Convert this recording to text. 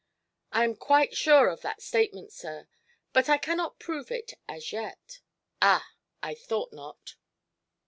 "I am quite sure of that statement, sir; but I cannot prove it, as yet." "Ah! I thought not."